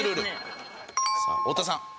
さあ太田さん。